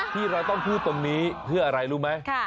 ที่เราต้องพูดตรงนี้เพื่ออะไรรู้ไหม